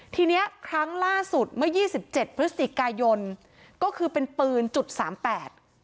ทีเนี้ยครั้งล่าสุดเมื่อยี่สิบเจ็ดพฤศจิกายนก็คือเป็นปืนจุดสามแปด